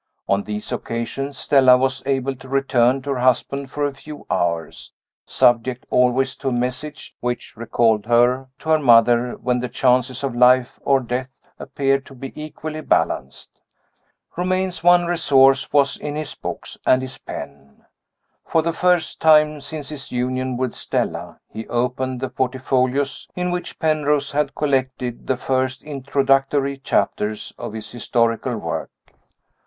On these occasions, Stella was able to return to her husband for a few hours subject always to a message which recalled her to her mother when the chances of life or death appeared to be equally balanced. Romayne's one resource was in his books and his pen. For the first time since his union with Stella he opened the portfolios in which Penrose had collected the first introductory chapters of his historical work.